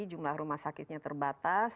jumlah rumah sakitnya terbatas